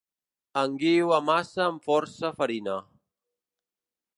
En Guiu amassa amb força farina.